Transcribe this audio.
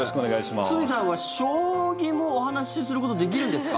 堤さんは将棋もお話しすることできるんですか？